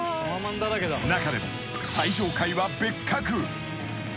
［中でも最上階は別格］